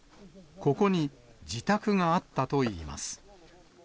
ここに自宅があったといいます。